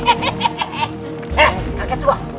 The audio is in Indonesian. eh kakek tua